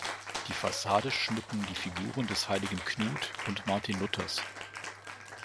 Die Fassade schmücken die Figuren des Heiligen Knut und Martin Luthers.